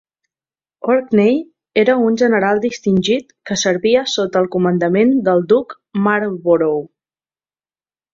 Orkney era un general distingit que servia sota el comandament del duc Marlborough.